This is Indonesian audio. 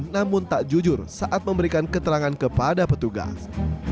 namun tak jujur saat memberikan keterangan kepada petugas